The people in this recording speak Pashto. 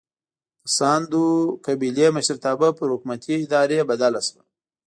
د ساندو قبیلې مشرتابه پر حکومتي ادارې بدله شوه.